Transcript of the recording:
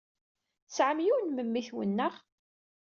Tesɛam yiwen n memmi-twen, naɣ?